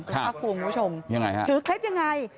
คุณภาษาบรูปรวงผู้ชมถือคลิปยังไง